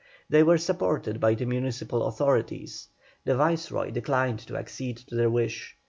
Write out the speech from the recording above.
They were supported by the municipal authorities. The Viceroy declined to accede to their wish.